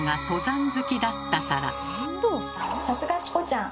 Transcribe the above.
さすがチコちゃん！